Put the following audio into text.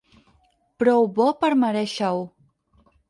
Prou bo per merèixer-ho.